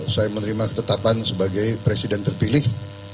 saya menerima ketetapan sebagai presiden terpilih